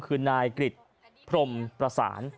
คือนายกริจพรมประสาน